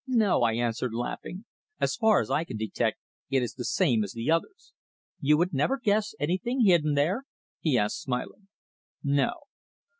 "No," I answered, laughing. "As far as I can detect it is the same as the others." "You would never guess anything hidden there?" he asked, smiling. "No."